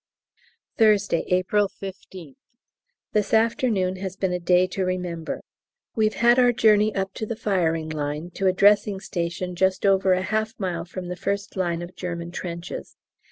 Thursday, April 15th. This afternoon has been a day to remember. We've had our journey up to the firing line, to a dressing station just over half a mile from the first line of German trenches!